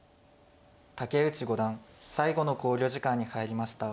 竹内五段最後の考慮時間に入りました。